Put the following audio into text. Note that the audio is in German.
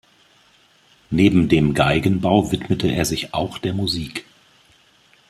Neben dem Geigenbau widmete er sich auch der Musik.